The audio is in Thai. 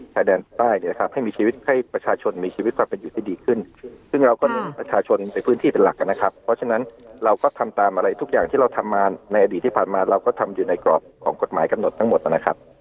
ชายแดนใต้เนี่ยนะครับให้มีชีวิตให้ประชาชนมีชีวิตความเป็นอยู่ที่ดีขึ้นซึ่งเราก็มีประชาชนในพื้นที่เป็นหลักนะครับเพราะฉะนั้นเราก็ทำตามอะไรทุกอย่างที่เราทำมาในอดีตที่ผ่านมาเราก็ทำอยู่ในกรอบของกฎหมายกำหนดทั้งหมดนะครับ